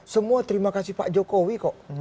semua terima kasih pak jokowi kok